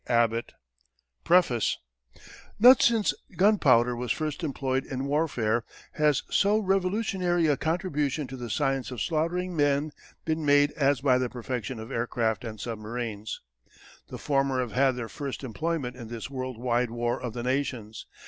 ABBOT The Knickerbocker Press, New York PREFACE Not since gunpowder was first employed in warfare has so revolutionary a contribution to the science of slaughtering men been made as by the perfection of aircraft and submarines. The former have had their first employment in this world wide war of the nations.